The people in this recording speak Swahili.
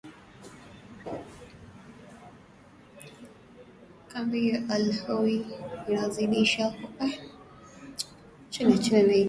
Kambi ya Al Hol inazidisha hofu ya kutokuwa na usalama na watoto wanaokamatwa, alisema mratibu mkazi wa Umoja wa Mataifa nchini Syria